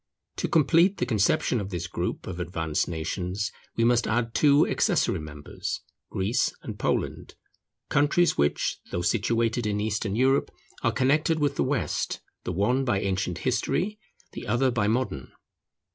To complete the conception of this group of advanced nations, we must add two accessory members, Greece and Poland, countries which, though situated in Eastern Europe, are connected with the West, the one by ancient history, the other by modern.